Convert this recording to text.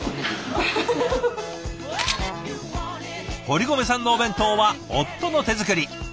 堀籠さんのお弁当は夫の手作り。